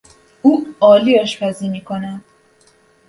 او عالی آشپزی میکند.